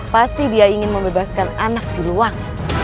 pasti dia ingin membebaskan anak siluang